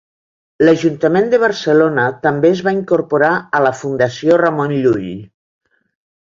L'Ajuntament de Barcelona també es va incorporar a la Fundació Ramon Llull.